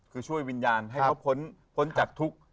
คือช่วยวิญญาณให้เขาพ้นพ้นจากทุกข์